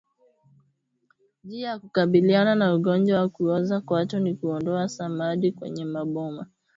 Njia ya kukabiliana na ugonjwa wa kuoza kwato ni kuondoa samadi kwenye maboma